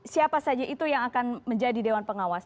siapa saja itu yang akan menjadi dewan pengawas